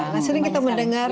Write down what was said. nah sering kita mendengar